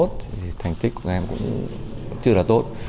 thì thành tích của em cũng chưa là tốt